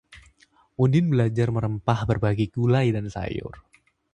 Udin belajar merempah berbagai gulai dan sayur